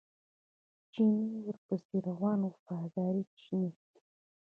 چیني ورپسې روان و وفاداره چیني.